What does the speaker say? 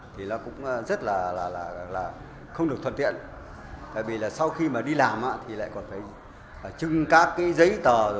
thì cũng rất là không được thuận tiện tại vì sau khi đi làm thì lại còn phải trưng các giấy tờ